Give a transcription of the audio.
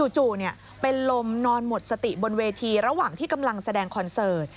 จู่เป็นลมนอนหมดสติบนเวทีระหว่างที่กำลังแสดงคอนเสิร์ต